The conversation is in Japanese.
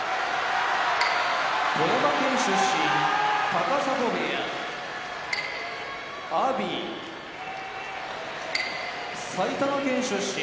富山県出身高砂部屋阿炎埼玉県出身